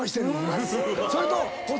それと。